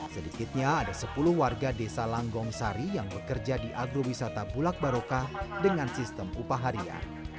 sedikitnya ada sepuluh warga desa langgong sari yang bekerja di agrowisata bulak barokah dengan sistem upah harian